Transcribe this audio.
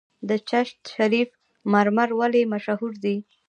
د چشت شریف مرمر ولې مشهور دي؟